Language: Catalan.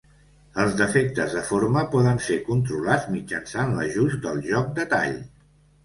Els defectes de forma poden ser controlats mitjançant l'ajust del joc de tall.